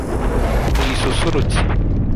uyisusurutse